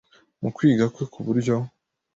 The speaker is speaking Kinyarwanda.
mu kwiga kwe ku buryo